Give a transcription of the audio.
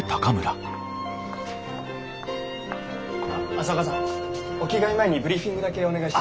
朝岡さんお着替え前にブリーフィングだけお願いしても。